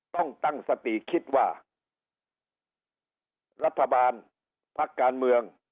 ต้องตั้งสติคิดว่ารัฐบาลพักการเมือง